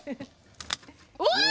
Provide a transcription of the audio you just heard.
うわ！